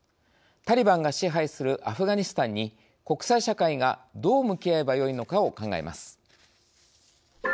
タリバンが支配するアフガニスタンに国際社会がどう向き合えばよいのかを考えます。